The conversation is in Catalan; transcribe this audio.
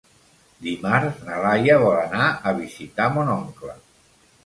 Dimarts na Laia vol anar a visitar mon oncle.